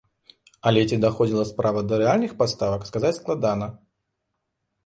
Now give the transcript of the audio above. Але ці даходзіла справа да рэальных паставак сказаць складана.